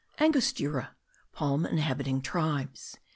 ANGOSTURA. PALM INHABITING TRIBES.